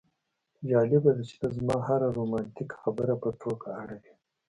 جالبه ده چې ته زما هره رومانتیکه خبره په ټوکه اړوې